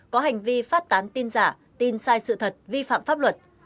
có hành vi phát tán tin giả tin sai sự thật vi phạm pháp luật